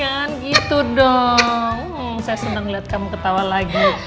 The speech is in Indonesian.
kan gitu dong saya senang lihat kamu ketawa lagi